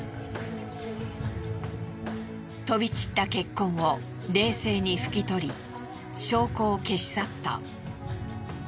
飛び散った血痕を冷静に拭き取り証拠を消し去った。